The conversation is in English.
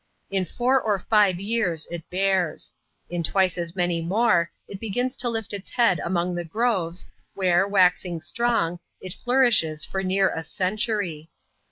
In four or five jrears it bears ; in twice as many more, it B^ns to lift its head among the groves, wh^e, waxing strong, it flourishes for near a century.